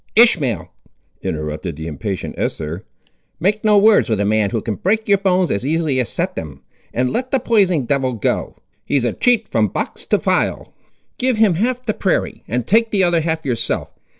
"Ishmael!" interrupted the impatient Esther, "make no words with a man who can break your bones as easily as set them, and let the poisoning devil go! He's a cheat, from box to phial. Give him half the prairie, and take the other half yourself.